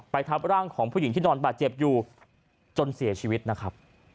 ทับร่างของผู้หญิงที่นอนบาดเจ็บอยู่จนเสียชีวิตนะครับ